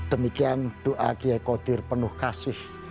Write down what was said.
demikian doa kiai kodir penuh kasih